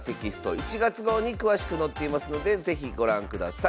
１月号に詳しく載っていますので是非ご覧ください。